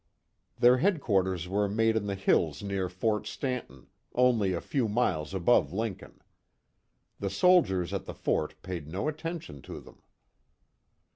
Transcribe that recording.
Their headquarters were made in the hills near Fort Stanton only a few miles above Lincoln. The soldiers at the Fort paid no attention to them.